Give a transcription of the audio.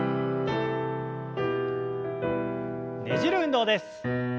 ねじる運動です。